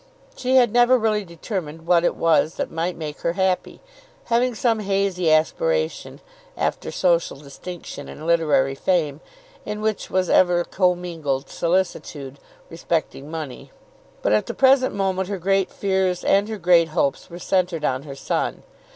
She had never really determined what it was that might make her happy, having some hazy aspiration after social distinction and literary fame, in which was ever commingled solicitude respecting money. But at the present moment her great fears and her great hopes were centred on her son.